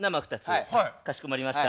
かしこまりました。